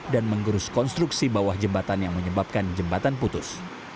dan menggerus konstruksi bawah jembatan yang menyebabkan jembatan putus